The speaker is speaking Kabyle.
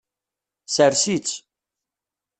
Sers-itt.